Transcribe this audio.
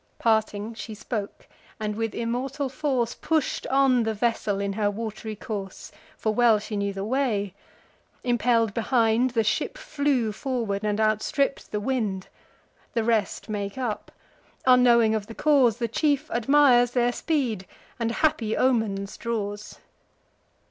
Parting, she spoke; and with immortal force Push'd on the vessel in her wat'ry course; For well she knew the way. Impell'd behind, The ship flew forward, and outstripp'd the wind. The rest make up. Unknowing of the cause, The chief admires their speed, and happy omens draws.